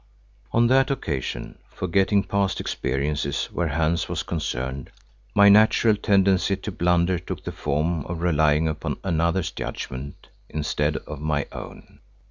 On that occasion, forgetting past experiences where Hans was concerned, my natural tendency to blunder took the form of relying upon another's judgment instead of on my own.